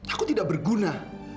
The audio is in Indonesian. aku tidak berguna